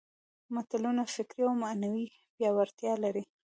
متلونه فکري او معنوي پياوړتیا لري